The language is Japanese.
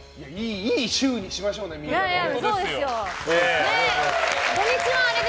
いい週にしましょうねみんなで。